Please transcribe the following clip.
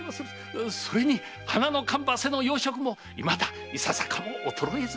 それに花のかんばせの容色もいまだいささかも衰えず。